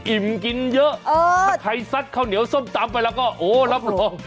อิ่มกินเยอะถ้าใครซัดข้าวเหนียวส้มตำไปแล้วก็โอ้รับรอง